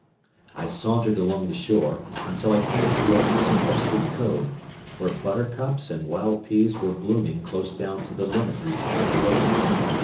I sauntered along the shore until I came to a sequestered cove, where buttercups and wild peas were blooming close down to the limit reached by the waves.